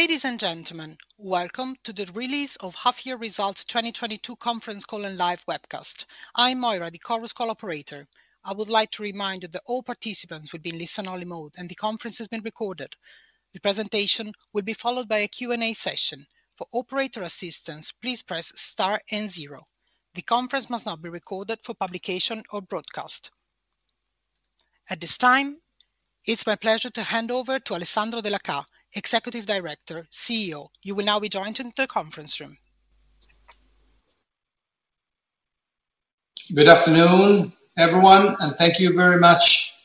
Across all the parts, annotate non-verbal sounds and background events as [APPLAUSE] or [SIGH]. Ladies and gentlemen, welcome to the release of half-year results 2022 conference call and live webcast. I'm Moira, the Chorus Call operator. I would like to remind you that all participants will be in listen-only mode, and the conference is being recorded. The presentation will be followed by a Q&A session. For operator assistance, please press star and zero. The conference must not be recorded for publication or broadcast. At this time, it's my pleasure to hand over to Alessandro Della Chà, Executive Director, CEO. You will now be joined into the conference room. Good afternoon, everyone, and thank you very much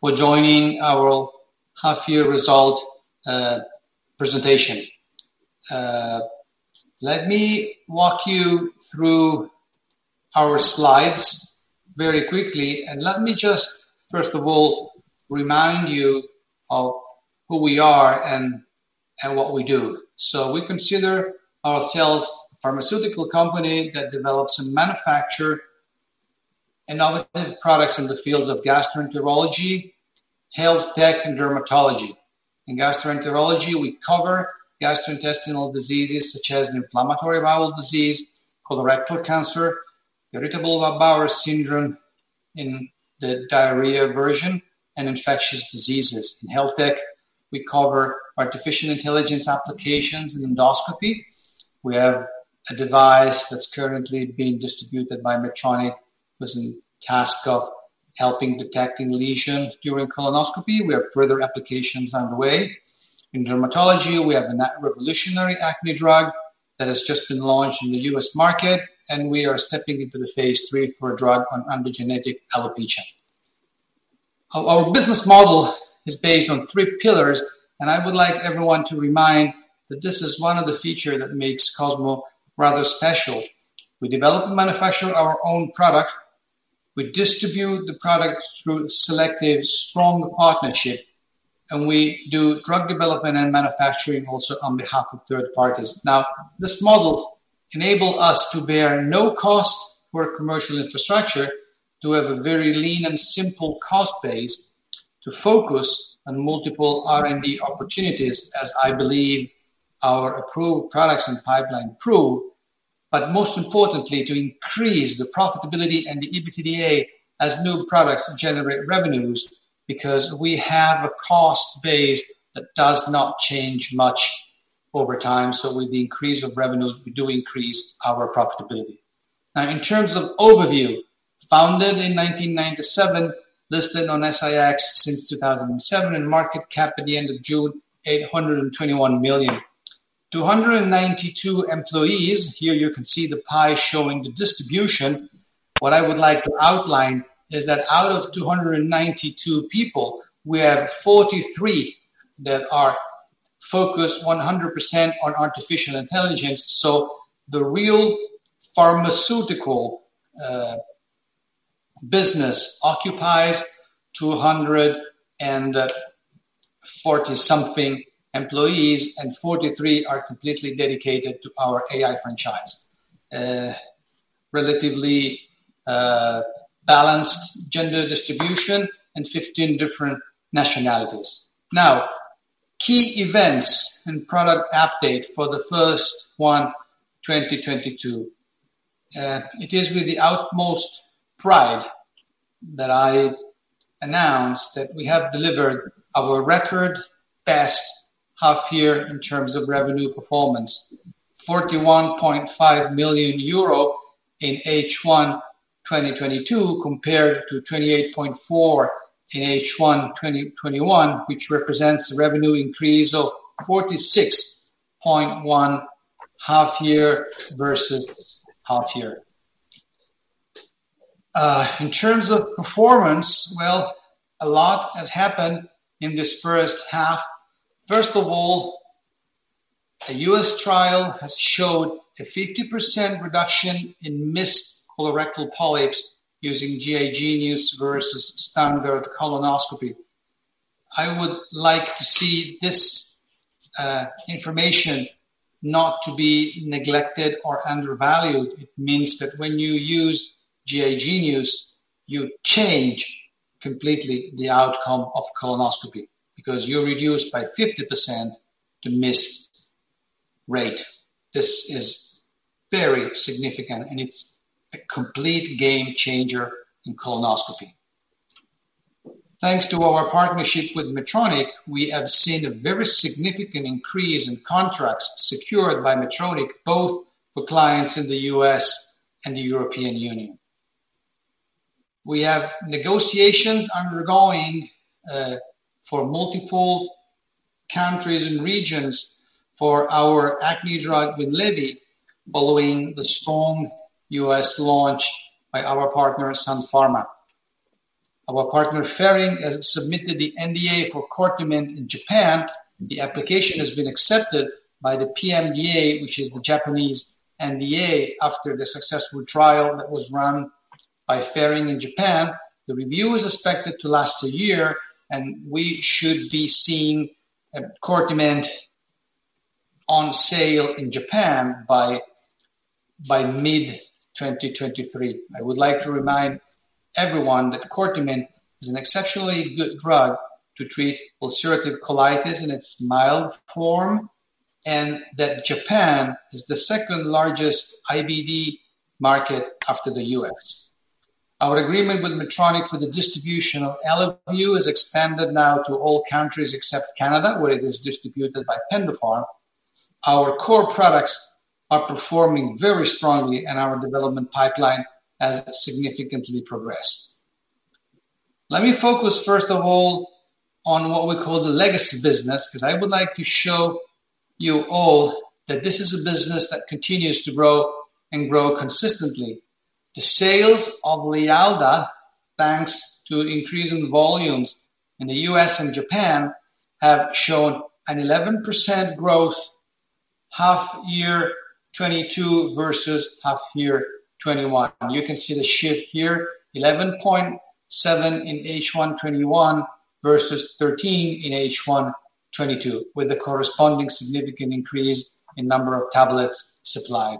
for joining our half-year result presentation. Let me walk you through our slides very quickly, and let me just, first of all, remind you of who we are and what we do. We consider ourselves a pharmaceutical company that develops and manufacture innovative products in the fields of gastroenterology, health tech, and dermatology. In gastroenterology, we cover gastrointestinal diseases such as inflammatory bowel disease, colorectal cancer, irritable bowel syndrome in the diarrhea version, and infectious diseases. In health tech, we cover artificial intelligence applications and endoscopy. We have a device that's currently being distributed by Medtronic that's tasked with helping detect lesions during colonoscopy. We have further applications on the way. In dermatology, we have a revolutionary acne drug that has just been launched in the U.S. market, and we are stepping into the phase III for a drug on androgenetic alopecia. Our business model is based on three pillars, and I would like everyone to remember that this is one of the features that makes Cosmo rather special. We develop and manufacture our own product. We distribute the product through selective strong partnership, and we do drug development and manufacturing also on behalf of third parties. Now, this model enables us to bear no cost for commercial infrastructure, to have a very lean and simple cost base, to focus on multiple R&D opportunities, as I believe our approved products and pipeline prove. Most importantly, to increase the profitability and the EBITDA as new products generate revenues, because we have a cost base that does not change much over time. With the increase of revenues, we do increase our profitability. Now in terms of overview, founded in 1997, listed on SIX since 2007, and market cap at the end of June, 821 million. 292 employees. Here you can see the pie showing the distribution. What I would like to outline is that out of 292 people, we have 43 that are focused 100% on artificial intelligence. The real pharmaceutical business occupies 240-something employees, and 43 are completely dedicated to our AI franchise. Relatively balanced gender distribution and 15 different nationalities. Now, key events and product update for H1 2022. It is with the utmost pride that I announce that we have delivered our record best half year in terms of revenue performance. 41.5 million euro in H1 2022, compared to 28.4 million in H1 2021, which represents a revenue increase of 46.1% half year versus half year. In terms of performance, well, a lot has happened in this first half. First of all, a U.S. trial has showed a 50% reduction in missed colorectal polyps using GI Genius versus standard colonoscopy. I would like to see this information not to be neglected or undervalued. It means that when you use GI Genius, you change completely the outcome of colonoscopy because you reduce by 50% the missed rate. This is very significant, and it's a complete game changer in colonoscopy. Thanks to our partnership with Medtronic, we have seen a very significant increase in contracts secured by Medtronic, both for clients in the U.S. and the European Union. We have ongoing negotiations for multiple countries and regions for our acne drug Winlevi following the strong U.S. launch by our partner, Sun Pharma. Our partner, Ferring, has submitted the NDA for Cortiment in Japan. The application has been accepted by the PMDA, which is the Japanese NDA, after the successful trial that was run by Ferring in Japan. The review is expected to last a year, and we should be seeing Cortiment on sale in Japan by mid 2023. I would like to remind everyone that Cortiment is an exceptionally good drug to treat ulcerative colitis in its mild form, and that Japan is the second-largest IBD market after the U.S. Our agreement with Medtronic for the distribution of Lumeblue is expanded now to all countries except Canada, where it is distributed by Pendopharm. Our core products are performing very strongly, and our development pipeline has significantly progressed. Let me focus first of all on what we call the legacy business, because I would like to show you all that this is a business that continues to grow and grow consistently. The sales of Lialda, thanks to increase in volumes in the U.S. and Japan, have shown an 11% growth half year 2022 versus half year 2021. You can see the shift here, 11.7 in H1 2021 versus 13 in H1 2022, with a corresponding significant increase in number of tablets supplied.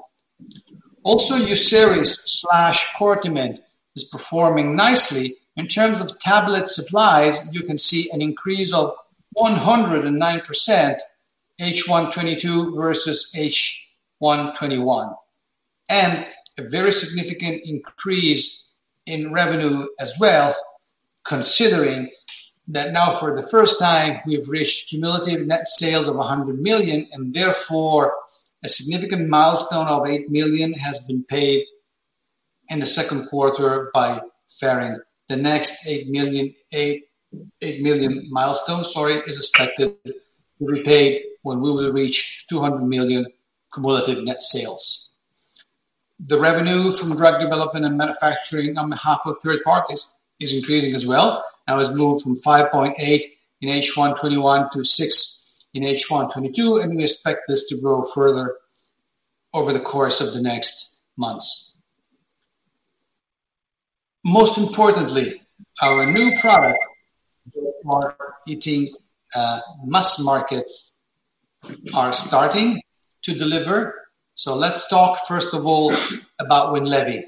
Also, Uceris/Cortiment is performing nicely. In terms of tablet supplies, you can see an increase of 109% H1 2022 versus H1 2021. A very significant increase in revenue as well, considering that now for the first time, we've reached cumulative net sales of 100 million, and therefore, a significant milestone of 8 million has been paid in the second quarter by Ferring. The next 8 million milestone, sorry, is expected to be paid when we will reach 200 million cumulative net sales. The revenue from drug development and manufacturing on behalf of third parties is increasing as well, and has moved from 5.8 in H1 2021 to 6 in H1 2022, and we expect this to grow further over the course of the next months. Most importantly, our new product markets are starting to deliver. Let's talk first of all about Winlevi.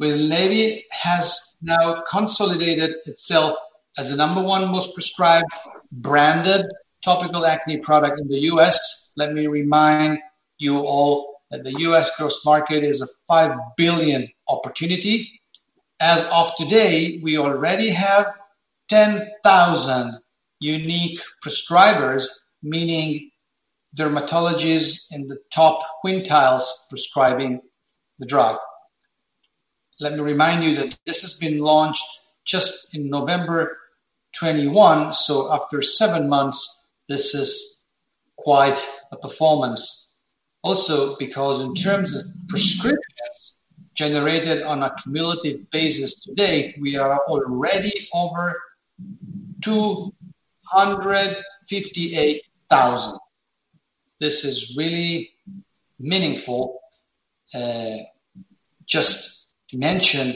Winlevi has now consolidated itself as the number-one most prescribed branded topical acne product in the U.S. Let me remind you all that the U.S. gross market is a $5 billion opportunity. As of today, we already have 10,000 unique prescribers, meaning dermatologists in the top quintiles prescribing the drug. Let me remind you that this has been launched just in November 2021, so after seven months, this is quite a performance. Also, because in terms of prescriptions generated on a cumulative basis, today we are already over 258,000. This is really meaningful. Just to mention,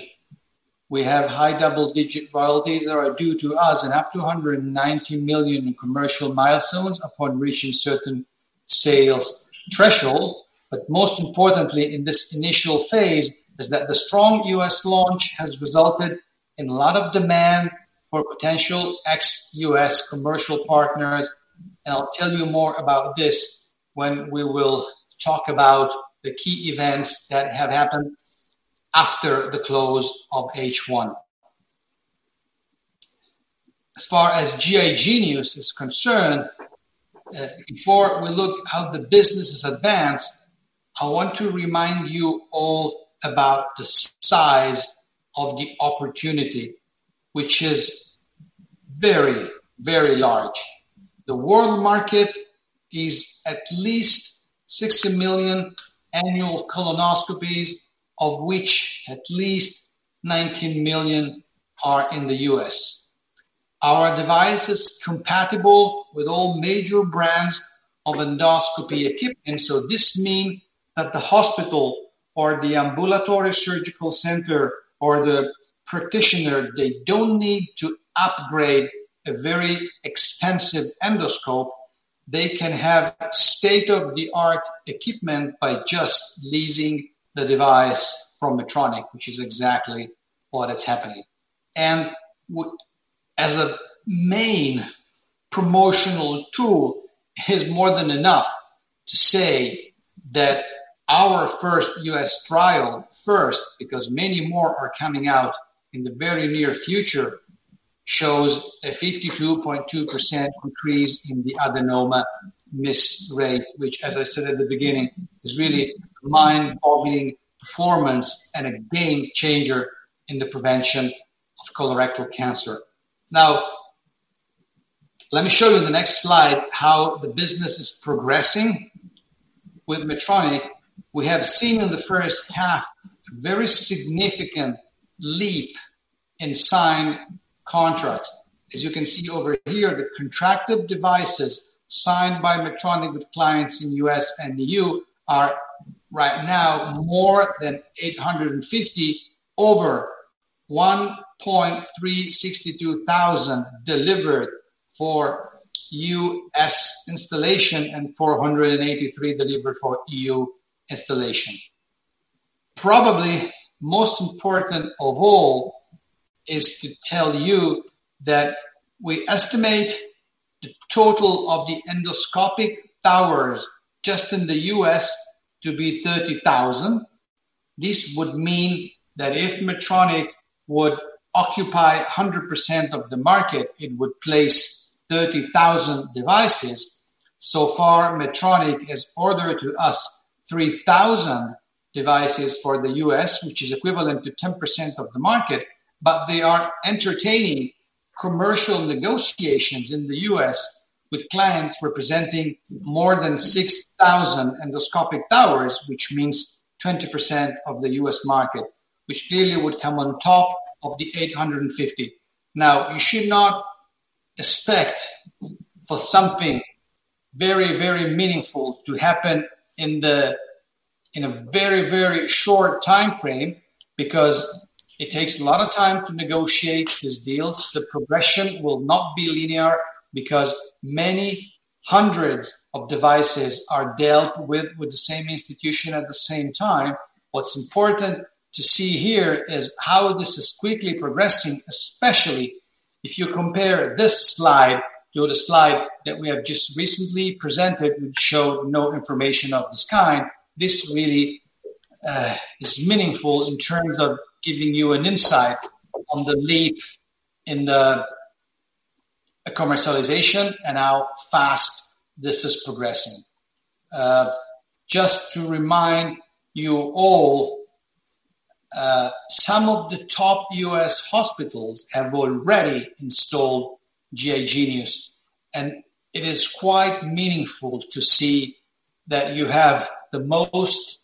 we have high double-digit royalties that are due to us and up to 190 million in commercial milestones upon reaching certain sales threshold. Most importantly in this initial phase is that the strong U.S. launch has resulted in a lot of demand for potential ex-U.S. commercial partners. I'll tell you more about this when we will talk about the key events that have happened after the close of H1. As far as GI Genius is concerned, before we look how the business has advanced, I want to remind you all about the size of the opportunity, which is very, very large. The world market is at least 60 million annual colonoscopies, of which at least 19 million are in the U.S. Our device is compatible with all major brands of endoscopy equipment, and so this mean that the hospital or the ambulatory surgical center or the practitioner, they don't need to upgrade a very expensive endoscope. They can have state-of-the-art equipment by just leasing the device from Medtronic, which is exactly what is happening. What as a main promotional tool is more than enough to say that our first U.S. trial, because many more are coming out in the very near future, shows a 52.2% increase in the adenoma miss rate, which as I said at the beginning, is really mind-boggling performance and a game changer in the prevention of colorectal cancer. Now, let me show you the next slide, how the business is progressing. With Medtronic, we have seen in the first half a very significant leap in signed contracts. As you can see over here, the contracted devices signed by Medtronic with clients in U.S. and EU are right now more than 850 over one point three six two thousand delivered for U.S. installation and 483 delivered for EU installation. Probably most important of all is to tell you that we estimate the total of the endoscopic towers just in the U.S. to be 30,000. This would mean that if Medtronic would occupy 100% of the market, it would place 30,000 devices. So far, Medtronic has ordered to us 3,000 devices for the U.S., which is equivalent to 10% of the market. They are entertaining commercial negotiations in the US with clients representing more than 6,000 endoscopic towers, which means 20% of the US market, which clearly would come on top of the 850. Now, you should not expect for something very, very meaningful to happen in a very, very short time frame because it takes a lot of time to negotiate these deals. The progression will not be linear because many hundreds of devices are dealt with with the same institution at the same time. What's important to see here is how this is quickly progressing, especially if you compare this slide to the slide that we have just recently presented, which showed no information of this kind. This really is meaningful in terms of giving you an insight on the leap in the commercialization and how fast this is progressing. Just to remind you all, some of the top U.S. hospitals have already installed GI Genius, and it is quite meaningful to see that you have the most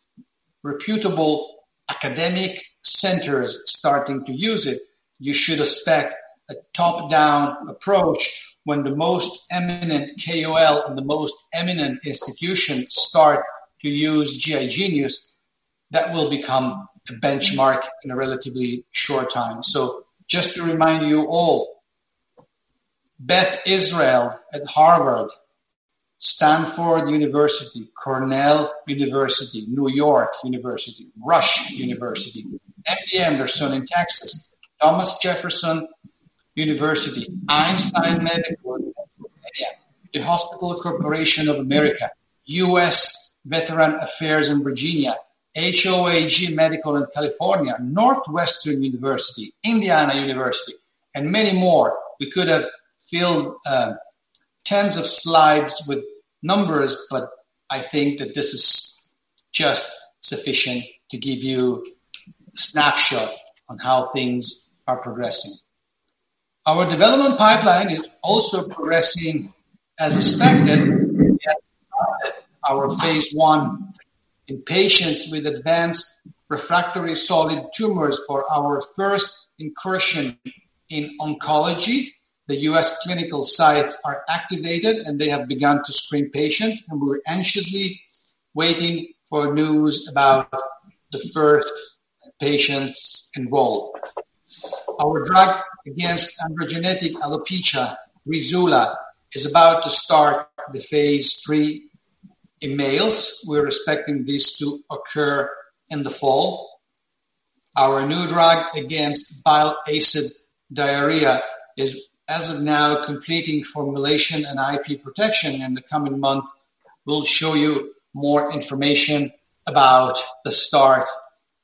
reputable academic centers starting to use it. You should expect a top-down approach when the most eminent KOL and the most eminent institutions start to use GI Genius. That will become the benchmark in a relatively short time. Just to remind you all, Beth Israel at Harvard, Stanford University, Cornell University, New York University, Rush University, MD Anderson in Texas, Thomas Jefferson University, Einstein Medical Center in Pennsylvania, the Hospital Corporation of America, U.S. Department of Veterans Affairs in Virginia, Hoag Memorial Hospital Presbyterian in California, Northwestern University, Indiana University, and many more. We could have filled tens of slides with numbers, but I think that this is just sufficient to give you a snapshot on how things are progressing. Our development pipeline is also progressing as expected. We have started our phase I in patients with advanced refractory solid tumors for our first incursion in oncology. The U.S. clinical sites are activated, and they have begun to screen patients, and we're anxiously waiting for news about the first patients enrolled. Our drug against androgenetic alopecia, Breezula, is about to start the phase III in males. We're expecting this to occur in the fall. Our new drug against bile acid diarrhea is, as of now, completing formulation and IP protection. In the coming month, we'll show you more information about the start of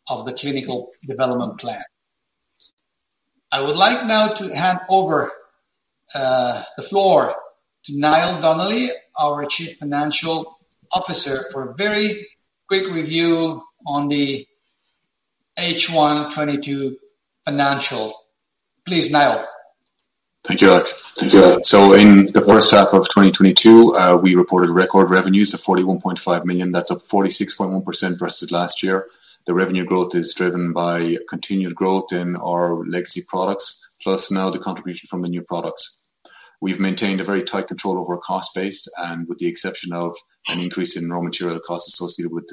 the clinical development plan. I would like now to hand over the floor to Niall Donnelly, our Chief Financial Officer, for a very quick review on the H1 2022 financial. Please, Niall. Thank you, Alex. In the first half of 2022, we reported record revenues of 41.5 million. That's up 46.1% versus last year. The revenue growth is driven by continued growth in our legacy products, plus now the contribution from the new products. We've maintained a very tight control over our cost base, and with the exception of an increase in raw material costs associated with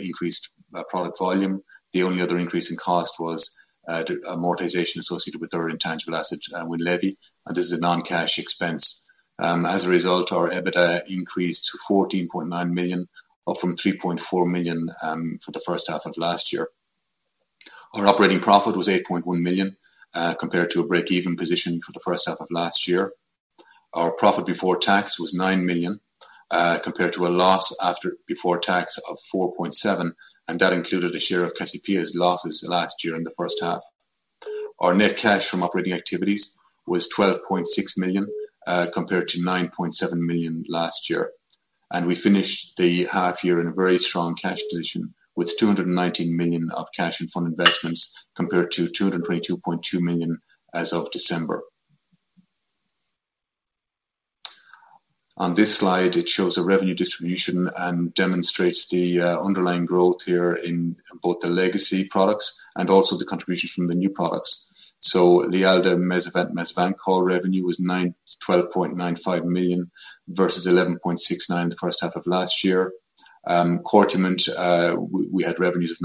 increased product volume. The only other increase in cost was the amortization associated with our intangible asset with Winlevi, and this is a non-cash expense. As a result, our EBITDA increased to 14.9 million, up from 3.4 million for the first half of last year. Our operating profit was 8.1 million compared to a break-even position for the first half of last year. Our profit before tax was 9 million, compared to a loss before tax of 4.7 million, and that included a share of Cassiopea's losses last year in the first half. Our net cash from operating activities was 12.6 million, compared to 9.7 million last year. We finished the half year in a very strong cash position with 219 million of cash and fund investments compared to 222.2 million as of December. On this slide, it shows a revenue distribution and demonstrates the underlying growth here in both the legacy products and also the contributions from the new products. The Lialda/Mezavant/Mesavancol revenue was 12.95 million versus 11.69 million the first half of last year. Cortiment, we had revenues of 9.36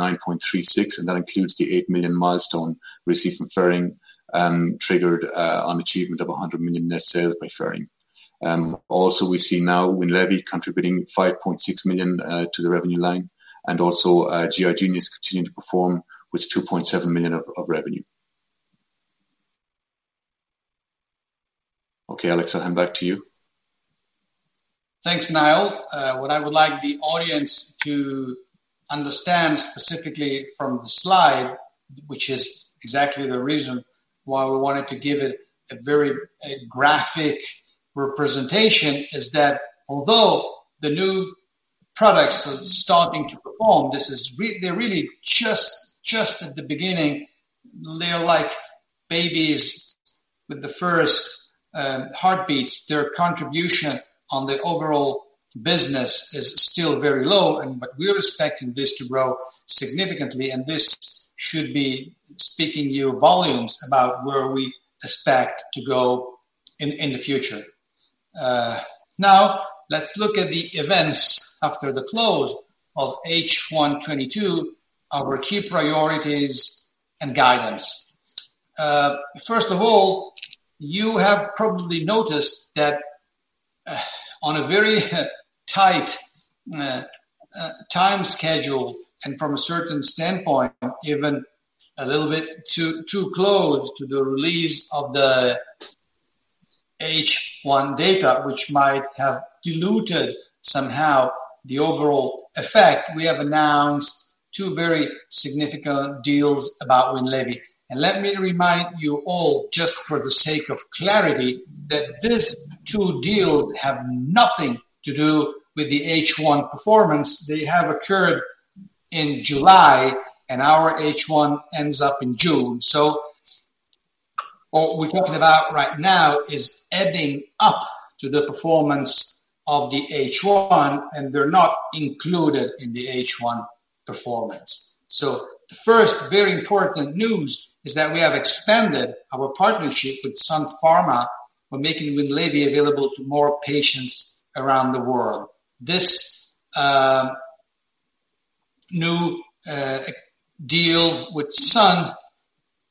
million, and that includes the 8 million milestone received from Ferring, triggered on achievement of 100 million net sales by Ferring. Also we see now Winlevi contributing 5.6 million to the revenue line and also GI Genius continuing to perform with 2.7 million of revenue. Okay, Alex, I'll hand back to you. Thanks, Niall. What I would like the audience to understand specifically from the slide, which is exactly the reason why we wanted to give it a very graphic representation, is that although the new products are starting to perform, they're really just at the beginning. They're like babies with the first heartbeats. Their contribution to the overall business is still very low, but we're expecting this to grow significantly. This should be speaking volumes about where we expect to go in the future. Now let's look at the events after the close of H1 2022, our key priorities and guidance. First of all, you have probably noticed that, on a very tight time schedule and from a certain standpoint, even a little bit too close to the release of the H1 data, which might have diluted somehow the overall effect, we have announced two very significant deals about Winlevi. Let me remind you all just for the sake of clarity that these two deals have nothing to do with the H1 performance. They have occurred in July, and our H1 ends up in June. What we're talking about right now is adding up to the performance of the H1, and they're not included in the H1 performance. The first very important news is that we have expanded our partnership with Sun Pharma for making Winlevi available to more patients around the world. This new deal with Sun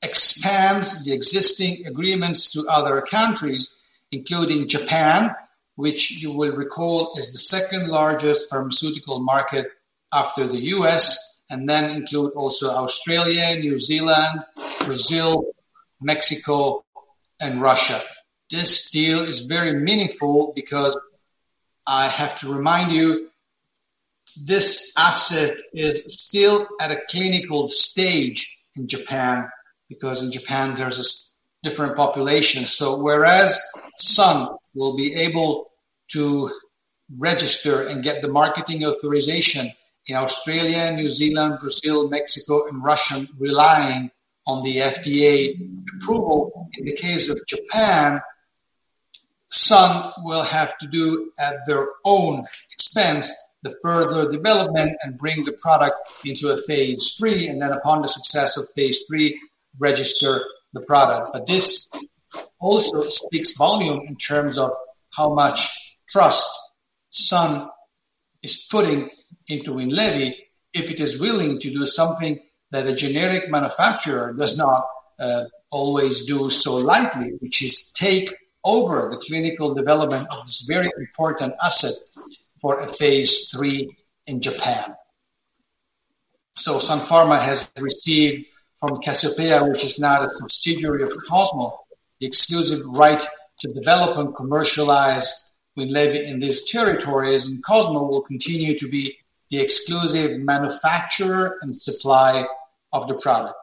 expands the existing agreements to other countries, including Japan, which you will recall is the second-largest pharmaceutical market after the U.S. and then include also Australia, New Zealand, Brazil, Mexico, and Russia. This deal is very meaningful because I have to remind you this asset is still at a clinical stage in Japan because in Japan there's a different population. Whereas Sun will be able to register and get the marketing authorization in Australia, New Zealand, Brazil, Mexico, and Russia relying on the FDA approval, in the case of Japan, Sun will have to do at their own expense the further development and bring the product into a phase III, and then upon the success of phase III, register the product. This also speaks volumes in terms of how much trust Sun is putting into Winlevi if it is willing to do something that a generic manufacturer does not always do so lightly, which is take over the clinical development of this very important asset for a phase III in Japan. Sun Pharma has received from Cassiopea, which is now a subsidiary of Cosmo, the exclusive right to develop and commercialize Winlevi in these territories, and Cosmo will continue to be the exclusive manufacturer and supplier of the product.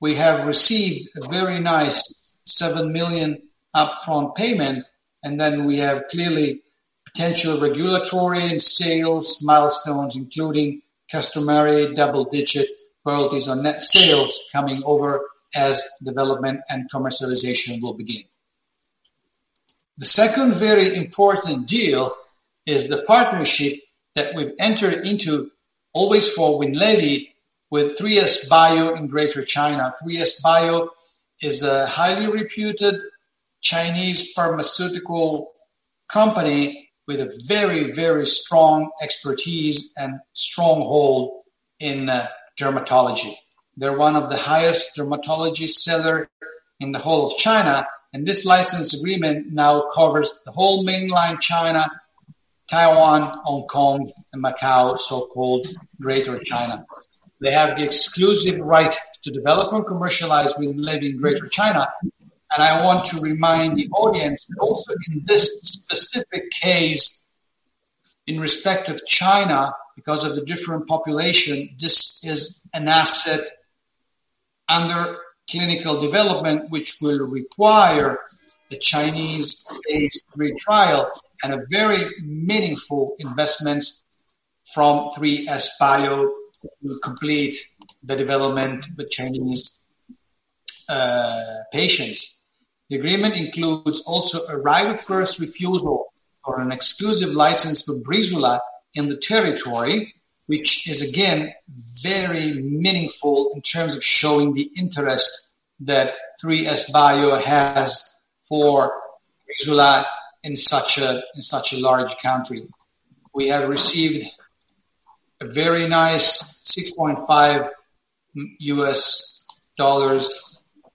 We have received a very nice 7 million upfront payment, and then we have clearly potential regulatory and sales milestones, including customary double-digit royalties on net sales coming over as development and commercialization will begin. The second very important deal is the partnership that we've entered into also for Winlevi with 3SBio in Greater China. 3SBio is a highly reputed Chinese pharmaceutical company with a very, very strong expertise and stronghold in dermatology. They're one of the highest dermatology seller in the whole of China, and this license agreement now covers the whole mainland China, Taiwan, Hong Kong, and Macau, so-called Greater China. They have the exclusive right to develop and commercialize Winlevi in Greater China. I want to remind the audience that also in this specific case, in respect of China because of the different population, this is an asset under clinical development which will require a Chinese phase III trial and a very meaningful investment from 3SBio to complete the development with Chinese patients. The agreement includes also a right of first refusal for an exclusive license for Breezula in the territory, which is again, very meaningful in terms of showing the interest that 3SBio has for Breezula in such a large country. We have received a very nice $6.5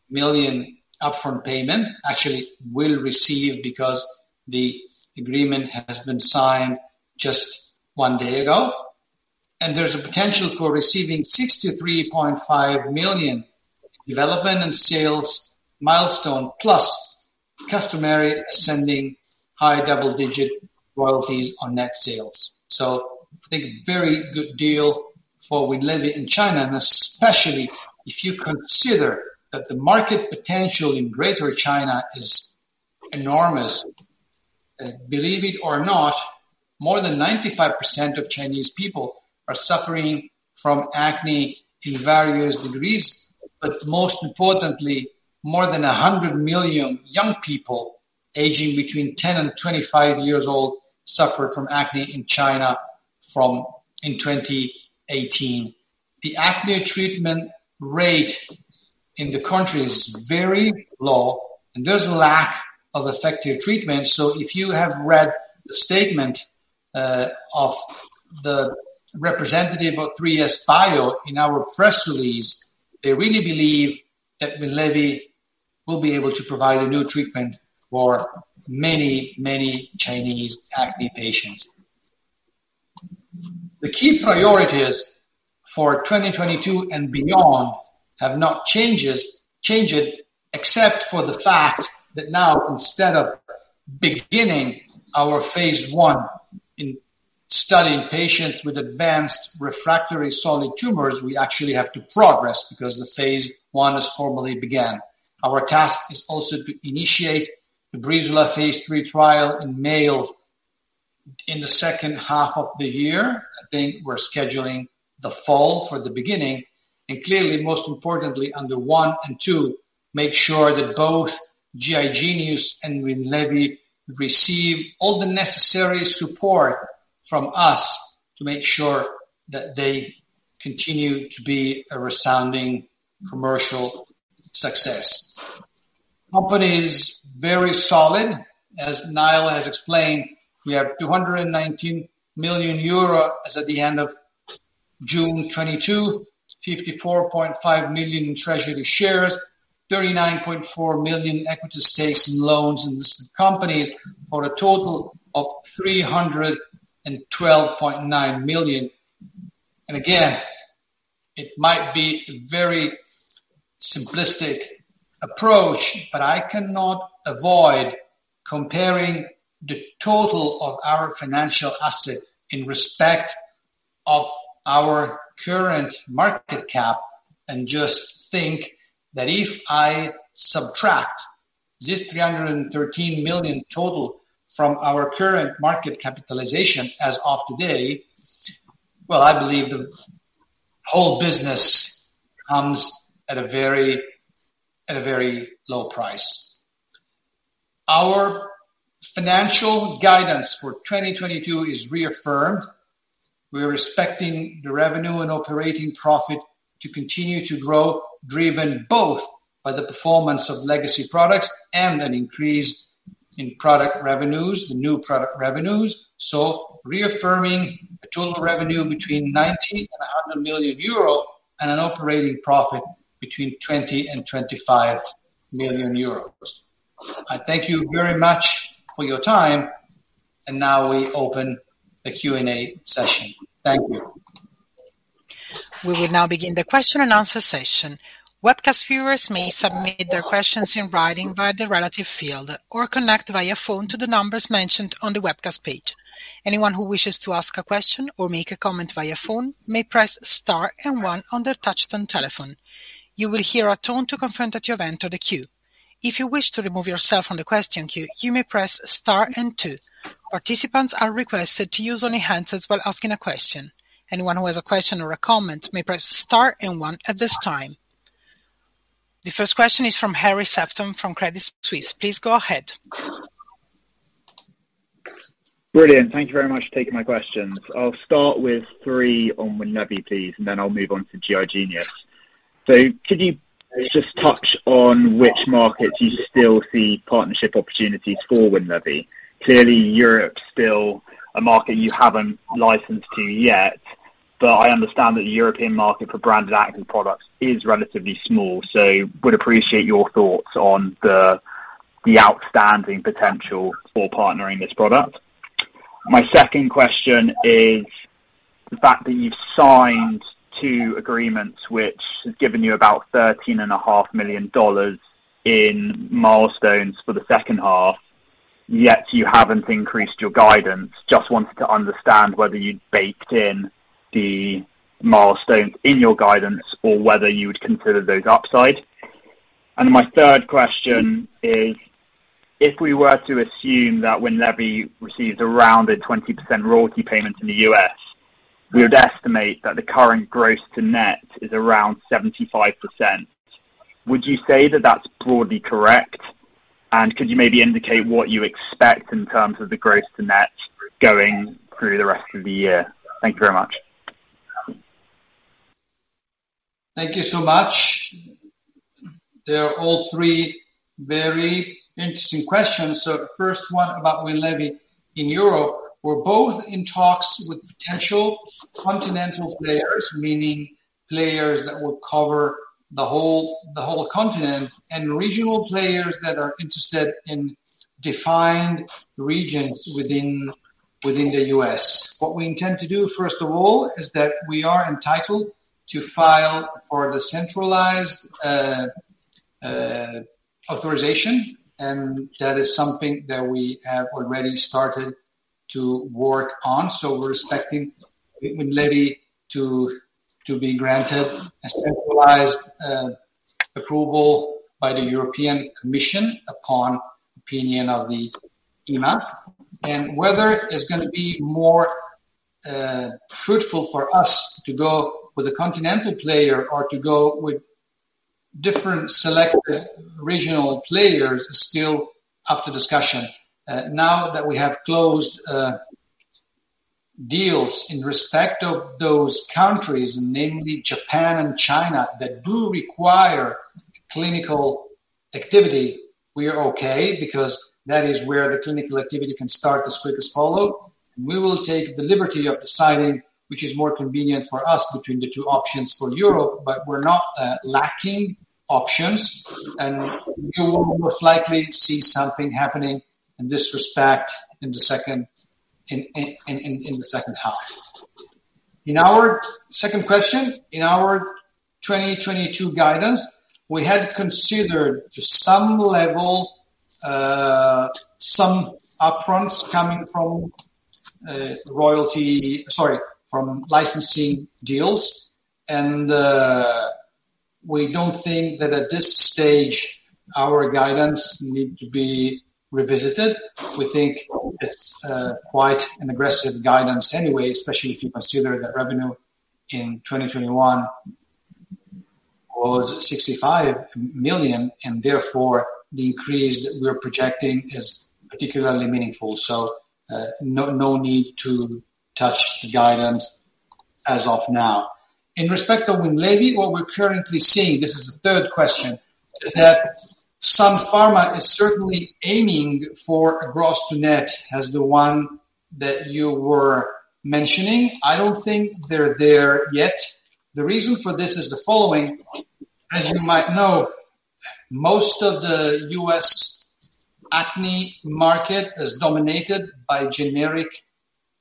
million upfront payment. Actually, will receive because the agreement has been signed just one day ago. There's a potential for receiving $63.5 million development and sales milestone, plus customary ascending high double-digit royalties on net sales. I think very good deal for Winlevi in China, and especially if you consider that the market potential in Greater China is enormous. Believe it or not, more than 95% of Chinese people are suffering from acne in various degrees, but most importantly, more than 100 million young people aging between 10 and 25 years old suffer from acne in China in 2018. The acne treatment rate in the country is very low, and there's a lack of effective treatment. If you have read the statement of the representative of 3SBio in our press release, they really believe that Winlevi will be able to provide a new treatment for many, many Chinese acne patients. The key priorities for 2022 and beyond have not changed, except for the fact that now instead of beginning our phase I in studying patients with advanced refractory solid tumors, we actually have to progress because the phase I has formally began. Our task is also to initiate the Breezula phase III trial in male in the second half of the year. I think we're scheduling the fall for the beginning. Clearly, most importantly, under one and two, make sure that both GI Genius and Winlevi receive all the necessary support from us to make sure that they continue to be a resounding commercial success. Company is very solid. As Niall has explained, we have 219 million euro as at the end of June 2022, 54.5 million in treasury shares, 39.4 million in equity stakes and loans in listed companies for a total of 312.9 million. Again, it might be a very simplistic approach, but I cannot avoid comparing the total of our financial asset in respect of our current market cap and just think that if I subtract this 313 million total from our current market capitalization as of today, well, I believe the whole business comes at a very low price. Our financial guidance for 2022 is reaffirmed. We're expecting the revenue and operating profit to continue to grow, driven both by the performance of legacy products and an increase in product revenues, the new product revenues. Reaffirming a total revenue between 90 million and 100 million euro and an operating profit between 20 million and 25 million euros. I thank you very much for your time, and now we open the Q&A session. Thank you. We will now begin the question and answer session. Webcast viewers may submit their questions in writing via the relevant field, or connect via phone to the numbers mentioned on the webcast page. Anyone who wishes to ask a question or make a comment via phone may press star and one on their touch-tone telephone. You will hear a tone to confirm that you have entered the queue. If you wish to remove yourself from the question queue, you may press star and two. Participants are requested to use only hand raises while asking a question. Anyone who has a question or a comment may press star and one at this time. The first question is from [AUDIO DISTORTION] Hazel Winchester from Credit Suisse. Please go ahead. Brilliant. Thank you very much for taking my questions. I'll start with three on Winlevi, please, and then I'll move on to GI Genius. Could you just touch on which markets you still see partnership opportunities for Winlevi? Clearly, Europe's still a market you haven't licensed to yet, but I understand that the European market for branded active products is relatively small. Would appreciate your thoughts on the outstanding potential for partnering this product. My second question is the fact that you've signed two agreements which has given you about $13.5 million in milestones for the second half, yet you haven't increased your guidance. Just wanted to understand whether you'd baked in the milestones in your guidance or whether you would consider those upside. My third question is, if we were to assume that Winlevi received around a 20% royalty payment in the US, we would estimate that the current gross to net is around 75%. Would you say that that's broadly correct? Could you maybe indicate what you expect in terms of the gross to net going through the rest of the year? Thank you very much. Thank you so much. They're all three very interesting questions. First one about Winlevi in Europe. We're both in talks with potential continental players, meaning players that will cover the whole continent, and regional players that are interested in defined regions within the US. What we intend to do, first of all, is that we are entitled to file for the centralized authorization, and that is something that we have already started to work on. We're expecting Winlevi to be granted a centralized approval by the European Commission upon opinion of the EMA. Whether it's gonna be more fruitful for us to go with a continental player or to go with different selected regional players is still up to discussion. Now that we have closed deals in respect of those countries, namely Japan and China, that do require clinical activity, we are okay because that is where the clinical activity can start as quick as follow. We will take the liberty of deciding which is more convenient for us between the two options for Europe, but we're not lacking options, and you will most likely see something happening in this respect in the second half. In our second question, in our 2022 guidance, we had considered to some level some upfronts coming from licensing deals. We don't think that at this stage, our guidance need to be revisited. We think it's quite an aggressive guidance anyway, especially if you consider that revenue in 2021 was 65 million, and therefore, the increase that we're projecting is particularly meaningful. No need to touch the guidance as of now. In respect of Winlevi, what we're currently seeing, this is the third question, that Sun Pharma is certainly aiming for a gross to net as the one that you were mentioning. I don't think they're there yet. The reason for this is the following: as you might know, most of the U.S. acne market is dominated by generic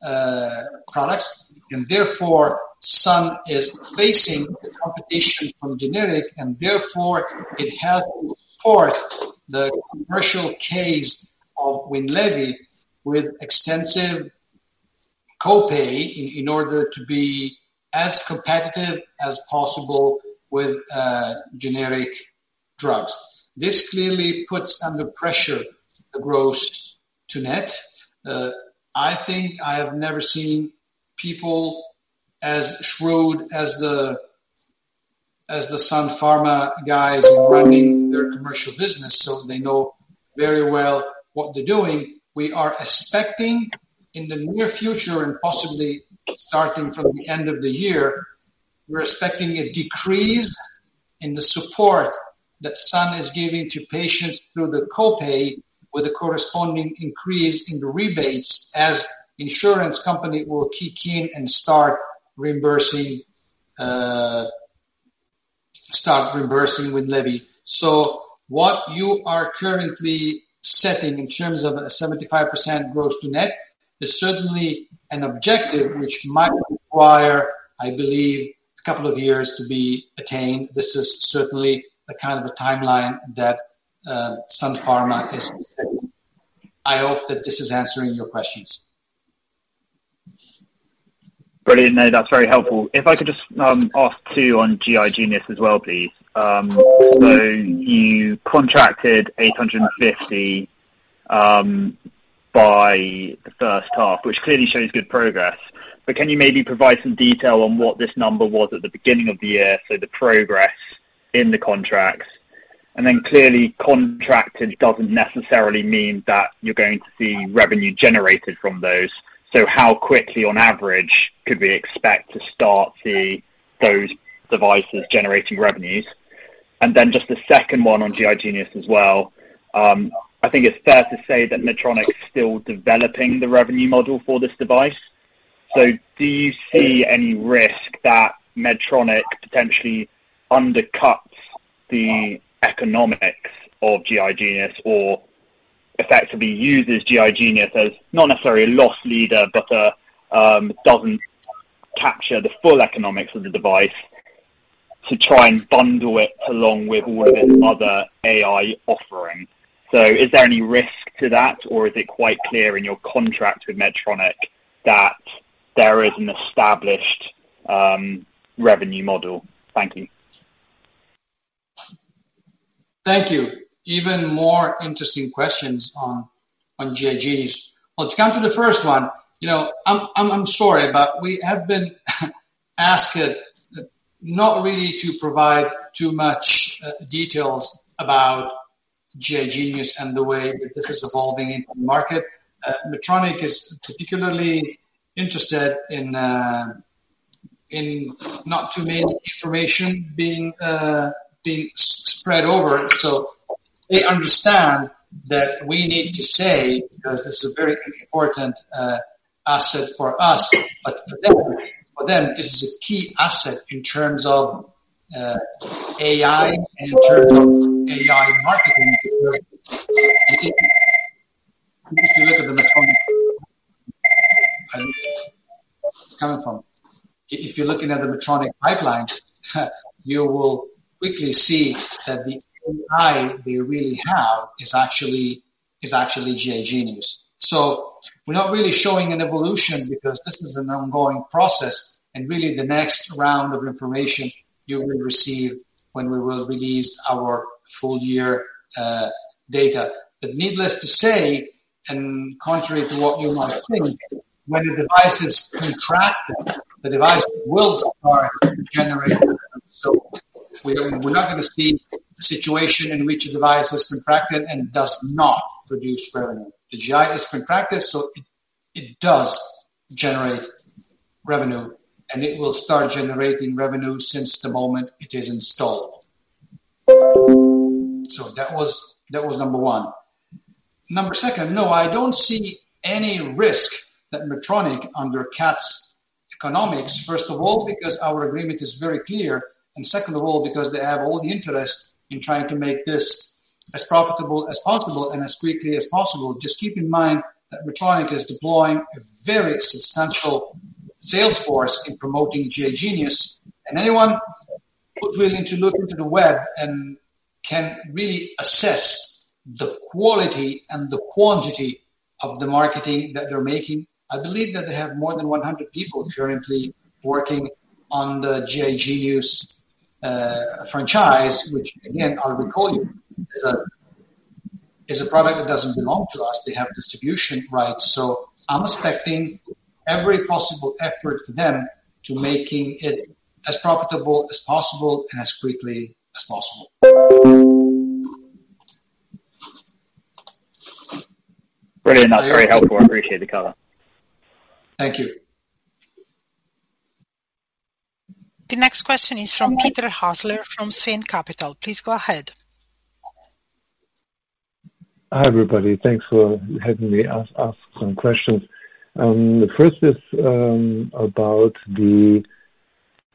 products, and therefore, Sun is facing the competition from generic, and therefore, it has to afford the commercial case of Winlevi with extensive co-pay in order to be as competitive as possible with generic drugs. This clearly puts under pressure the gross to net. I think I have never seen people as shrewd as the Sun Pharma guys in running their commercial business, so they know very well what they're doing. We are expecting in the near future and possibly starting from the end of the year, we're expecting a decrease in the support that Sun is giving to patients through the co-pay with a corresponding increase in the rebates as insurance company will kick in and start reimbursing Winlevi. What you are currently setting in terms of a 75% gross to net is certainly an objective which might require, I believe, a couple of years to be attained. This is certainly the kind of timeline that Sun Pharma is setting. I hope that this is answering your questions. Brilliant. No, that's very helpful. If I could just ask two on GI Genius as well, please. So you contracted 850 by the first half, which clearly shows good progress. Can you maybe provide some detail on what this number was at the beginning of the year, so the progress in the contracts? Then clearly, contracted doesn't necessarily mean that you're going to see revenue generated from those. How quickly on average could we expect to start to see those devices generating revenues? Just the second one on GI Genius as well. I think it's fair to say that Medtronic is still developing the revenue model for this device. Do you see any risk that Medtronic potentially undercuts the economics of GI Genius or effectively uses GI Genius as, not necessarily a loss leader, but doesn't capture the full economics of the device to try and bundle it along with all of its other AI offerings? Is there any risk to that, or is it quite clear in your contract with Medtronic that there is an established revenue model? Thank you. Thank you. Even more interesting questions on GI Genius. Well, to come to the first one, you know, I'm sorry, but we have been asked not really to provide too much details about GI Genius and the way that this is evolving in the market. Medtronic is particularly interested in not too many information being spread over. So they understand that we need to say, because this is a very important asset for us, but for them, this is a key asset in terms of AI and in terms of AI marketing because if you look at the Medtronic. Where is it coming from? If you're looking at the Medtronic pipeline, you will quickly see that the AI they really have is actually GI Genius. We're not really showing an evolution because this is an ongoing process, and really the next round of information you will receive when we will release our full year data. Needless to say, and contrary to what you might think, when a device is contracted, the device will start to generate revenue. We're not gonna see the situation in which a device is contracted and does not produce revenue. The GI is contracted, so it does generate revenue, and it will start generating revenue since the moment it is installed. That was number one. Number second, no, I don't see any risk that Medtronic undercuts economics, first of all, because our agreement is very clear, and second of all, because they have all the interest in trying to make this as profitable as possible and as quickly as possible. Just keep in mind that Medtronic is deploying a very substantial sales force in promoting GI Genius, and anyone who's willing to look into the web and can really assess the quality and the quantity of the marketing that they're making. I believe that they have more than 100 people currently working on the GI Genius franchise, which again, I'll remind you, is a product that doesn't belong to us. They have distribution rights. I'm expecting every possible effort for them to making it as profitable as possible and as quickly as possible. Brilliant. That's very helpful. I appreciate the color. Thank you. The next question is from [audio distortion} Peter Hassler from Sven Capital. Please go ahead. Hi, everybody. Thanks for having me ask some questions. The first is about the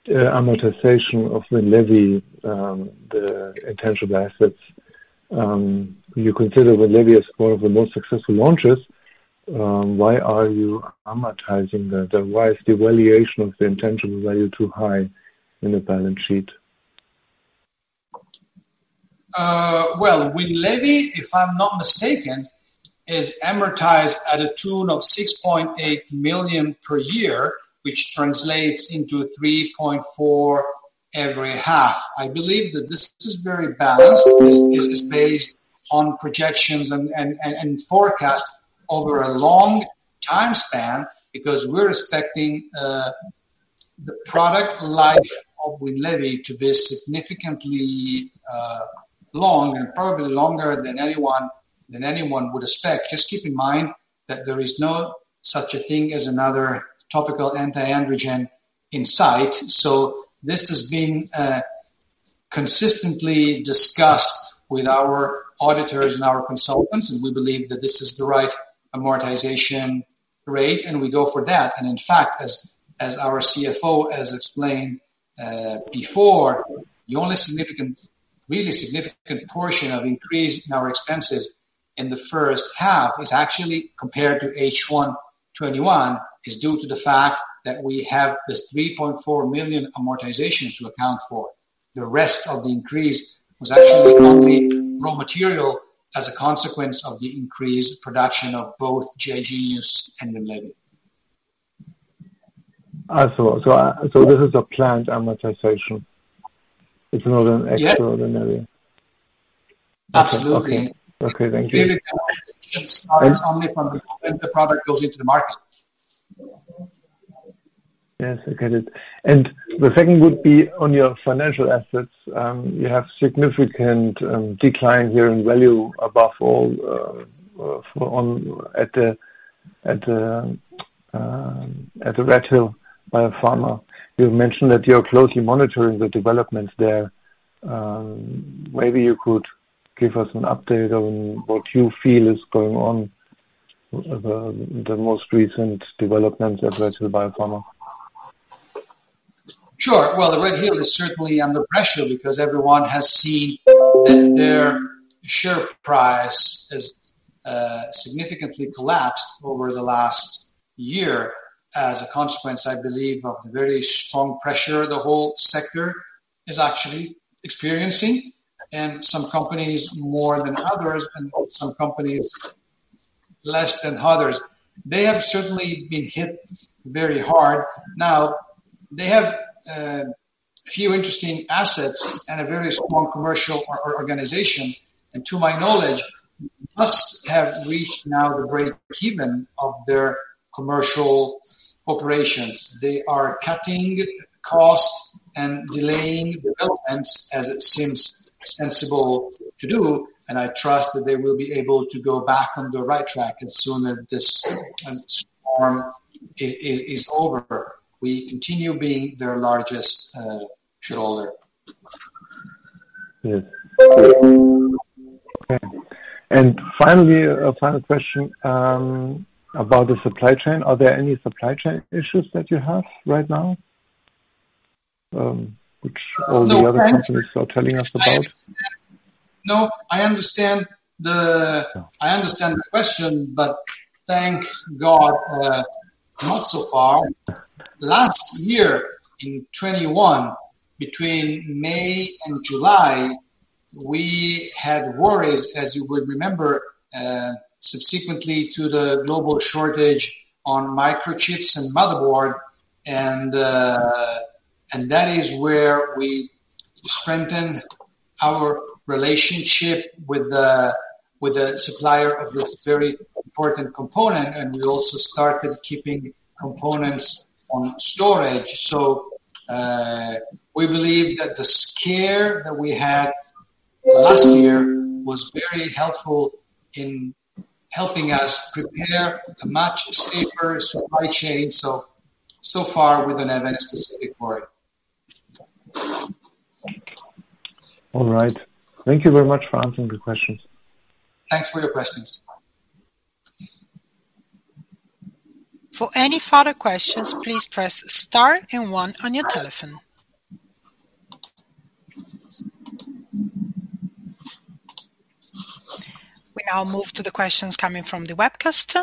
amortization of the Winlevi, the intangible assets. You consider Winlevi as one of the most successful launches. Why are you amortizing that? Why is the valuation of the intangible value too high in the balance sheet? Well, Winlevi, if I'm not mistaken, is amortized at a rate of 6.8 million per year, which translates into 3.4 every half. I believe that this is very balanced. This is based on projections and forecast over a long time span because we're expecting the product life of Winlevi to be significantly long and probably longer than anyone would expect. Just keep in mind that there is no such a thing as another topical anti-androgen in sight. This has been consistently discussed with our auditors and our consultants, and we believe that this is the right amortization rate, and we go for that. In fact, as our CFO has explained before, the only significant, really significant portion of increase in our expenses in the first half was actually compared to H1 2021 is due to the fact that we have this 3.4 million amortization to account for. The rest of the increase was actually only raw material as a consequence of the increased production of both GI Genius and Winlevi. I thought so. This is a planned amortization. It's not an- Yes. -extraordinary. Absolutely. Okay. Thank you. Really starts only from the moment the product goes into the market. Yes, I get it. The second would be on your financial assets. You have significant decline here in value above all at the RedHill Biopharma. You mentioned that you are closely monitoring the developments there. Maybe you could give us an update on what you feel is going on, the most recent developments at RedHill Biopharma. Sure. Well, RedHill is certainly under pressure because everyone has seen that their share price has significantly collapsed over the last year as a consequence, I believe, of the very strong pressure the whole sector is actually experiencing, and some companies more than others, and some companies less than others. They have certainly been hit very hard. Now, they have a few interesting assets and a very small commercial or organization, and to my knowledge, must have reached now the break-even of their commercial operations. They are cutting costs and delaying developments as it seems sensible to do, and I trust that they will be able to go back on the right track as soon as this storm is over. We continue being their largest shareholder. Yes. Okay. Finally, a final question about the supply chain. Are there any supply chain issues that you have right now, which all the other companies are telling us about? No, I understand the question, but thank God, not so far. Last year in 2021, between May and July, we had worries, as you would remember, subsequently to the global shortage on microchips and motherboard and that is where we strengthened our relationship with the supplier of this very important component, and we also started keeping components on storage. We believe that the scare that we had last year was very helpful in helping us prepare a much safer supply chain. So far we haven't had any specific for it. All right. Thank you very much for answering the questions. Thanks for your questions. For any further questions, please press star and one on your telephone. We now move to the questions coming from the webcast.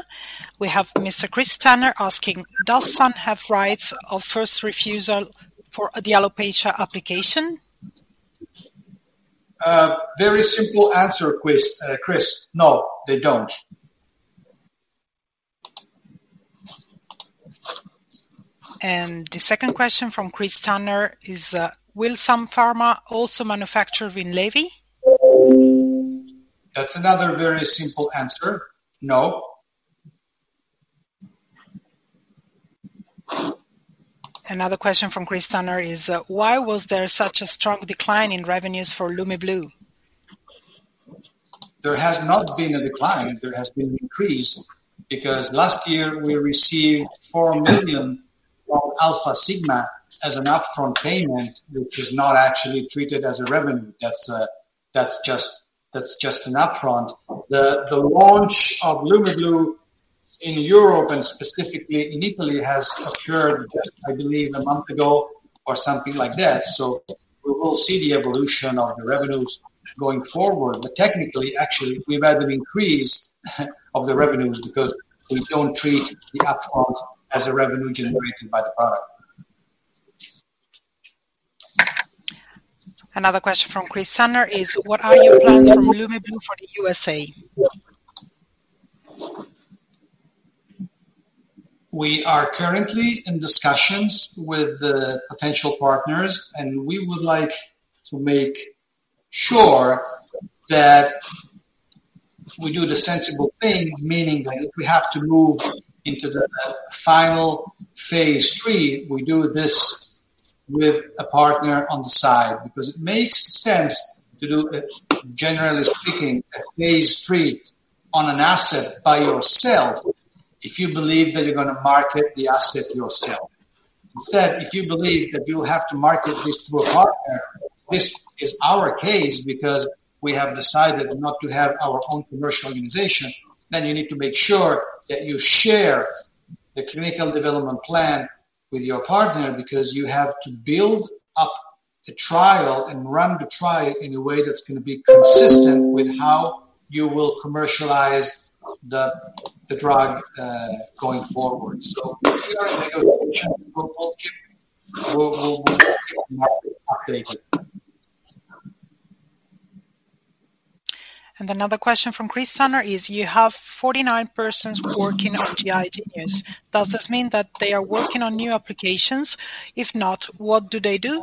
We have Mr. Chris Tanner asking, "Does Sun have rights of first refusal for the alopecia application? Very simple answer, Chris. No, they don't. The second question from Chris Tanner is, "Will Sun Pharma also manufacture Winlevi? That's another very simple answer. No. Another question from Chris Tanner is, "Why was there such a strong decline in revenues for Lumeblue? There has not been a decline. There has been an increase because last year we received 4 million from Alfasigma as an upfront payment, which is not actually treated as a revenue. That's just an upfront. The launch of Lumeblue in Europe and specifically in Italy has occurred, I believe, a month ago or something like that. We will see the evolution of the revenues going forward. Technically, actually, we've had an increase of the revenues because we don't treat the upfront as a revenue generated by the product. Another question from Chris Tanner is, "What are your plans for Lumeblue for the USA? We are currently in discussions with the potential partners, and we would like to make sure that we do the sensible thing. Meaning that if we have to move into the final Phase III, we do this with a partner on the side, because it makes sense to do, generally speaking, a Phase III on an asset by yourself if you believe that you're gonna market the asset yourself. Instead, if you believe that you'll have to market this through a partner, this is our case, because we have decided not to have our own commercial organization, then you need to make sure that you share the clinical development plan with your partner because you have to build up the trial and run the trial in a way that's gonna be consistent with how you will commercialize the drug going forward. We are in negotiation with multiple. We'll update you. Another question from Chris Tanner is, "You have 49 persons working on GI Genius. Does this mean that they are working on new applications? If not, what do they do?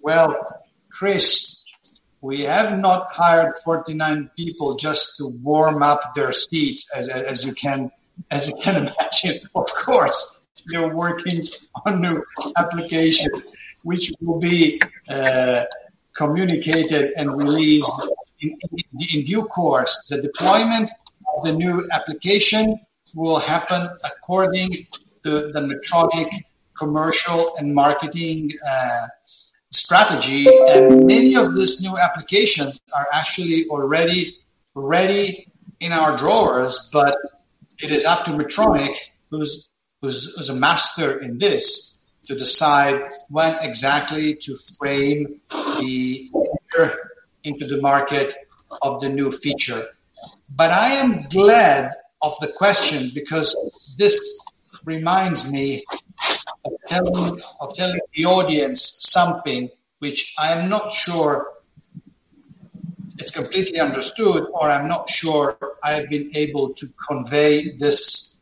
Well, Chris, we have not hired 49 people just to warm up their seats, as you can imagine. Of course, we are working on new applications which will be communicated and released in due course. The deployment of the new application will happen according to the Medtronic commercial and marketing strategy. Many of these new applications are actually already ready in our drawers. It is up to Medtronic, who's a master in this, to decide when exactly to frame the entry into the market of the new feature. I am glad of the question because this reminds me of telling the audience something which I am not sure is completely understood, or I'm not sure I have been able to convey this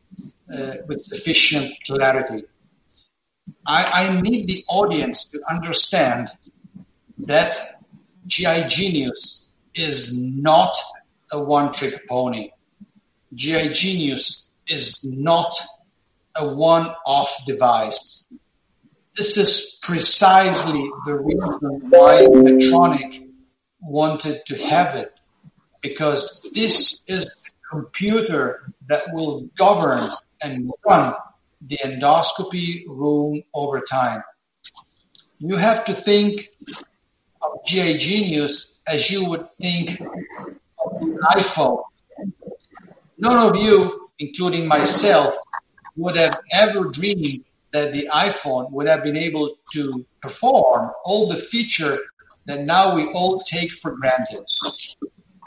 with sufficient clarity. I need the audience to understand that GI Genius is not a one-trick pony. GI Genius is not a one-off device. This is precisely the reason why Medtronic wanted to have it because this is the computer that will govern and run the endoscopy room over time. You have to think of GI Genius as you would think of the iPhone. None of you, including myself, would have ever dreamed that the iPhone would have been able to perform all the features that now we all take for granted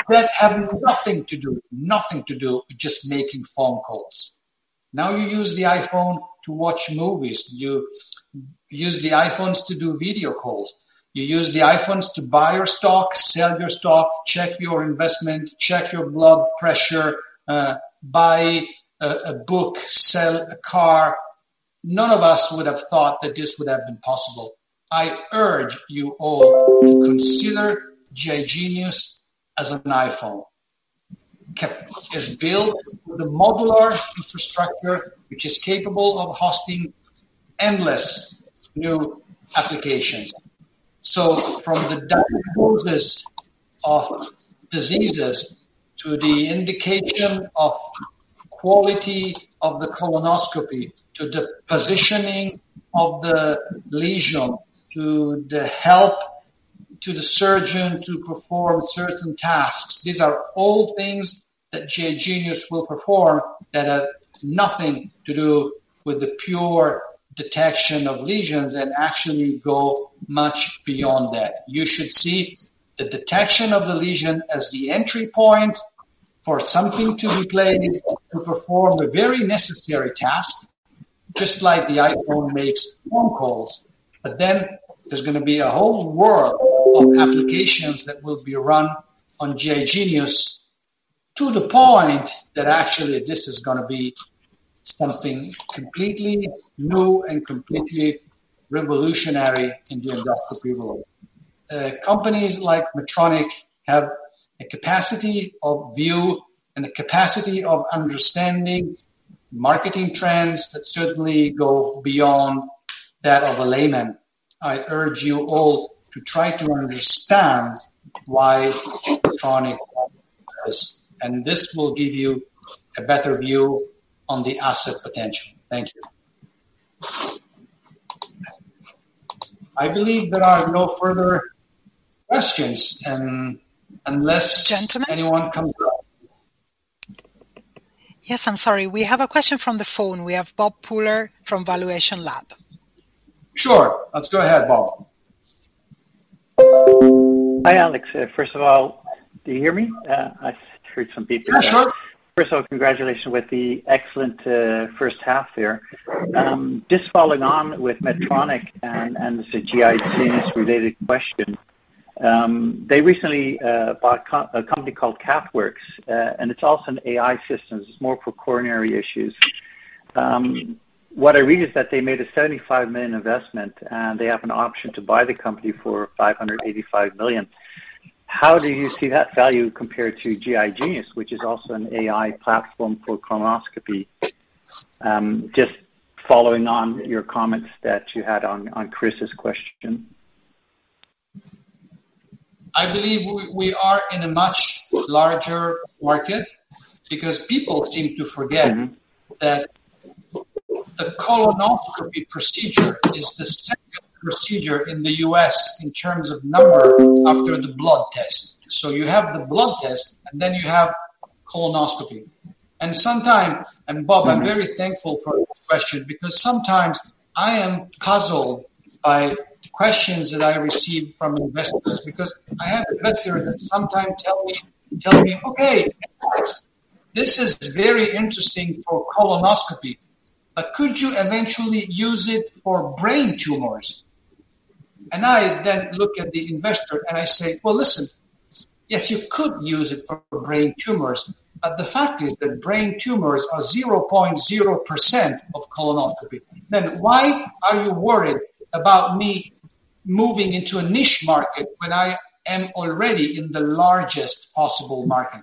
that have nothing to do with just making phone calls. Now you use the iPhone to watch movies. You use the iPhones to do video calls. You use the iPhones to buy your stocks, sell your stock, check your investment, check your blood pressure, buy a book, sell a car. None of us would have thought that this would have been possible. I urge you all to consider GI Genius as an iPhone. GI Genius is built with a modular infrastructure which is capable of hosting endless new applications. From the diagnosis of diseases to the indication of quality of the colonoscopy to the positioning of the lesion to the help to the surgeon to perform certain tasks. These are all things that GI Genius will perform that have nothing to do with the pure detection of lesions and actually go much beyond that. You should see the detection of the lesion as the entry point for something to be able to perform a very necessary task, just like the iPhone makes phone calls. There's gonna be a whole world of applications that will be run on GI Genius to the point that actually this is gonna be something completely new and completely revolutionary in the endoscopy world. Companies like Medtronic have a capacity of view and a capacity of understanding marketing trends that certainly go beyond that of a layman. I urge you all to try to understand why Medtronic want this. This will give you a better view on the asset potential. Thank you. I believe there are no further questions unless- Gentlemen. Anyone comes up. Yes, I'm sorry. We have a question from the phone. We have Bob Pooler from valuationLAB. Sure. Let's go ahead, Bob. Hi, Alex. First of all, do you hear me? I heard some beeps. Yes, sir. First of all, congratulations with the excellent first half there. Just following on with Medtronic and it's a GI Genius related question. They recently bought a company called CathWorks, and it's also an AI system. It's more for coronary issues. What I read is that they made a $75 million investment, and they have an option to buy the company for $585 million. How do you see that value compared to GI Genius, which is also an AI platform for colonoscopy? Just following on your comments that you had on Chris's question. I believe we are in a much larger market because people seem to forget. Mm-hmm. That the colonoscopy procedure is the second procedure in the U.S. in terms of number after the blood test. You have the blood test, and then you have colonoscopy. Sometimes Bob, I'm very thankful for your question because sometimes I am puzzled by questions that I receive from investors because I have investor that sometimes tell me, "Okay, Alex, this is very interesting for colonoscopy, but could you eventually use it for brain tumors?" I then look at the investor, and I say, "Well, listen. Yes, you could use it for brain tumors, but the fact is that brain tumors are 0.0% of colonoscopy. Why are you worried about me moving into a niche market when I am already in the largest possible market?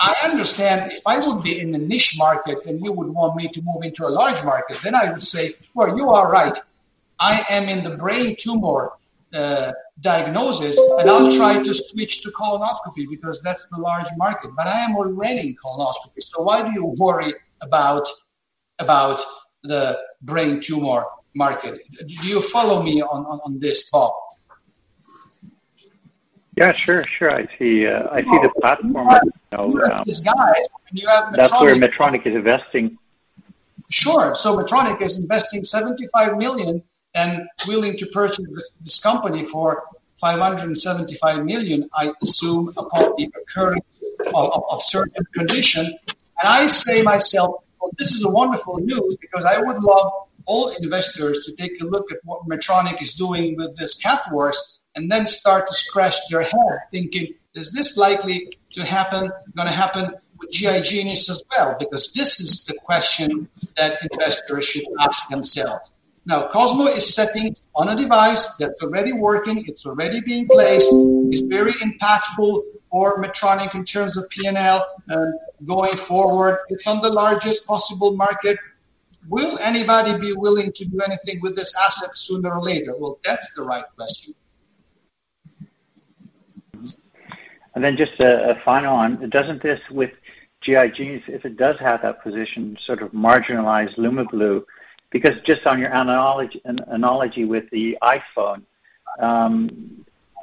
I understand if I would be in a niche market, and you would want me to move into a large market, then I would say, "Well, you are right. I am in the brain tumor diagnosis, and I'll try to switch to colonoscopy because that's the large market." But I am already in colonoscopy, so why do you worry about the brain tumor market? Do you follow me on this, Bob? Yeah, sure. I see the platform- You have these guys, and you have Medtronic. That's where Medtronic is investing. Sure. Medtronic is investing $75 million and willing to purchase this company for $575 million, I assume, upon the occurrence of certain condition. I say myself, "Well, this is a wonderful news," because I would love all investors to take a look at what Medtronic is doing with this CathWorks, and then start to scratch their head thinking, "Is this likely to happen gonna happen with GI Genius as well?" Because this is the question that investors should ask themselves. Now, Cosmo is sitting on a device that's already working, it's already been placed, it's very impactful for Medtronic in terms of P&L. Going forward, it's on the largest possible market. Will anybody be willing to do anything with this asset sooner or later? Well, that's the right question. Then just a final one. Doesn't this with GI Genius, if it does have that position, sort of marginalize Lumeblue? Because just on your analogy with the iPhone,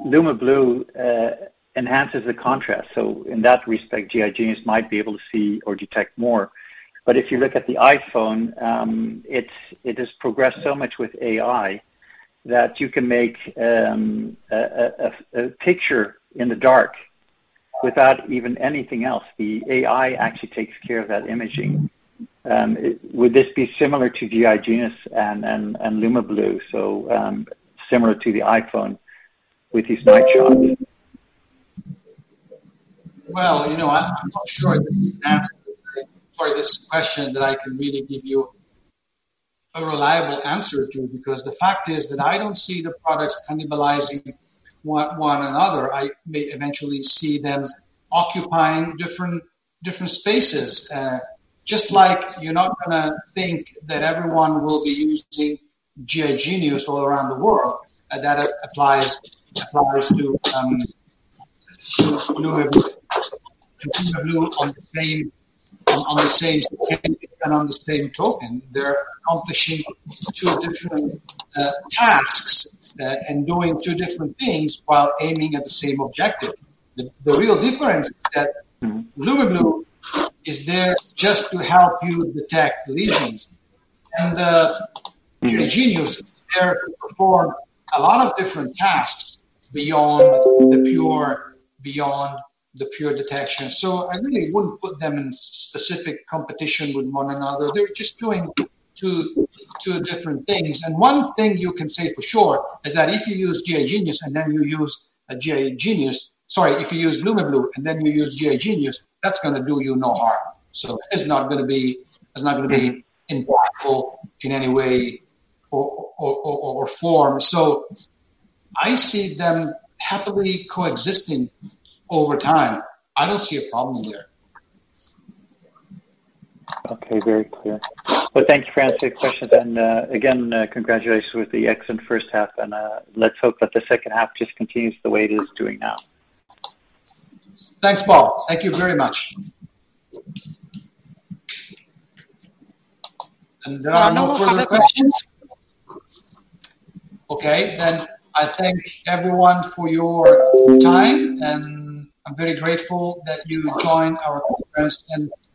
Lumeblue enhances the contrast. So in that respect, GI Genius might be able to see or detect more. But if you look at the iPhone, it has progressed so much with AI that you can make a picture in the dark without even anything else. The AI actually takes care of that imaging. Would this be similar to GI Genius and Lumeblue, so similar to the iPhone with these night shots? Well, you know, I'm not sure this is an answer for this question that I can really give you a reliable answer to. Because the fact is that I don't see the products cannibalizing one another. I may eventually see them occupying different spaces. Just like you're not gonna think that everyone will be using GI Genius all around the world. That applies to Lumeblue. To Lumeblue on the same spectrum and on the same token, they're accomplishing two different tasks and doing two different things while aiming at the same objective. The real difference is that Lumeblue is there just to help you detect lesions. The Genius is there to perform a lot of different tasks beyond the pure detection. I really wouldn't put them in specific competition with one another. They're just doing two different things. One thing you can say for sure is that if you use Lumeblue, and then you use GI Genius, that's gonna do you no harm. That is not gonna be, it's not gonna be impactful in any way or form. I see them happily coexisting over time. I don't see a problem there. Okay. Very clear. Well, thank you for answering the question. Again, congratulations with the excellent first half, and let's hope that the second half just continues the way it is doing now. Thanks, Bob Pooler. Thank you very much. There are no further questions. Okay. I thank everyone for your time, and I'm very grateful that you joined our conference.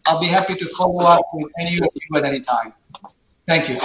I'll be happy to follow up with any of you at any time. Thank you.